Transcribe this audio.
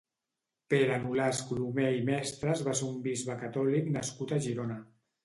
Pere Nolasc Colomer i Mestres va ser un bisbe catòlic nascut a Girona.